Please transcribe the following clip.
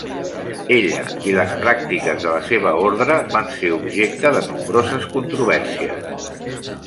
Ella i les pràctiques de la seva ordre van ser objecte de nombroses controvèrsies.